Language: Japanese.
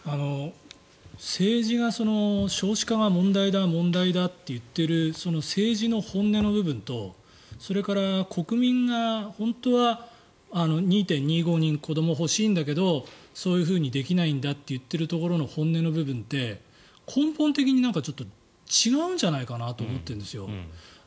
政治が、少子化が問題だ問題だと言っている政治の本音の部分と国民が本当は２．２５人子どもが欲しいんだけどそういうふうにできないんだって言っているところの本音の部分って根本的に違うんじゃないかなと思ってるんですよ。